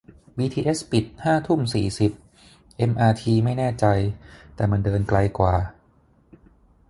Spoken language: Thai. บีทีเอสปิดห้าทุ่มสี่สิบ เอ็มอาร์ทีไม่แน่ใจ แต่มันเดินไกลกว่า